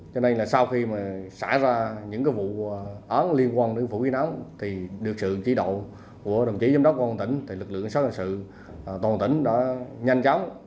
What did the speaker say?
cho nên là sau khi xả ra những vụ án liên quan đến vũ khí nám được sự chỉ đạo của đồng chí giám đốc cảnh sát cảnh sự toàn tỉnh đã nhanh chóng